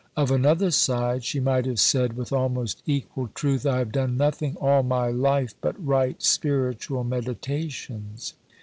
Of another side, she might have said with almost equal truth, "I have done nothing all my life but write spiritual meditations."